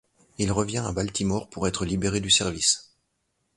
Il revient à Baltimore pour être libéré du service.